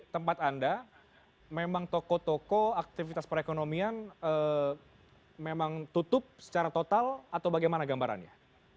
tempat anda memang toko toko aktivitas perekonomian memang tutup secara total atau bagaimana gambarannya